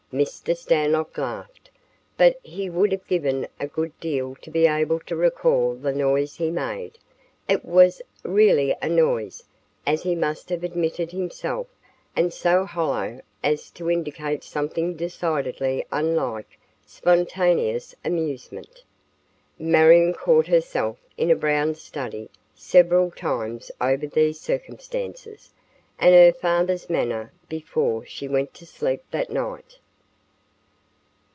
Mr. Stanlock laughed, but he would have given a good deal to be able to recall the noise he made. It was really a noise, as he must have admitted himself, and so hollow as to indicate something decidedly unlike spontaneous amusement. Marion caught herself in a brown study several times over these circumstances and her father's manner before she went to sleep that night.